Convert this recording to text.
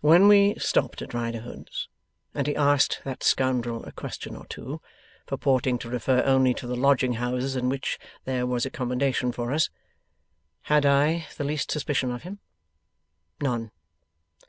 'When we stopped at Riderhood's, and he asked that scoundrel a question or two, purporting to refer only to the lodging houses in which there was accommodation for us, had I the least suspicion of him? None.